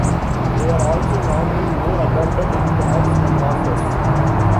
They are also normally more abundant in cats and horses.